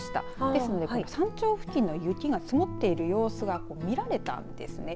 ですので、山頂付近の雪が積もっている様子が見られたんですね。